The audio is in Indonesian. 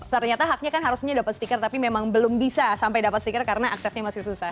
ternyata haknya kan harusnya dapat stiker tapi memang belum bisa sampai dapat stiker karena aksesnya masih susah